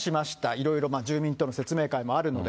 いろいろ住民との説明会もあるので。